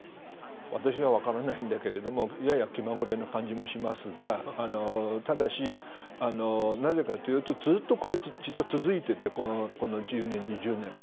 私はわからないんだけどもやや気まぐれな感じもしますがただし、なぜかというとずっとこれは実は続いていてこの１０年、２０年は。